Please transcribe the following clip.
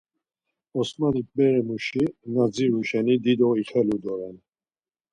Osmanik beremuşi na dziru şeni dido ixelu doren.